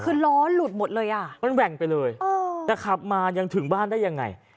คือล้อหลุดหมดเลยอ่ะมันแหว่งไปเลยแต่ขับมายังถึงบ้านได้ยังไง